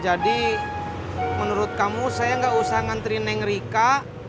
jadi menurut kamu saya gak usah ngantri neng rika